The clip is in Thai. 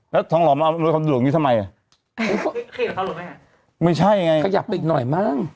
แล้วทองหล่อมาอำนวยความสะดวกอย่างนี้ทำไมอ่ะไม่ใช่ไงขยับไปอีกหน่อยมั้ง